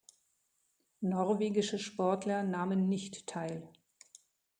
Norwegische Sportler nahmen nicht teil.